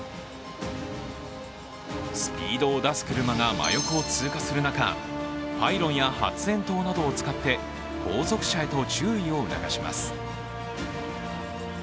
スピードを出す車が真横を通過する中、パイロンや発煙筒などを使って後続車へと注意を促します。